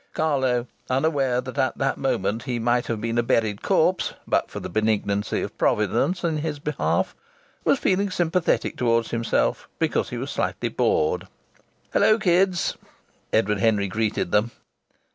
Carlo, unaware that at that moment he might have been a buried corpse but for the benignancy of Providence in his behalf, was feeling sympathetic towards himself because he was slightly bored. "Hello, kids!" Edward Henry greeted them.